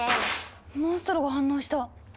モンストロが反応した。